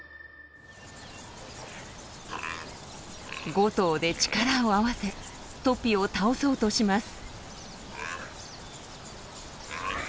５頭で力を合わせトピを倒そうとします。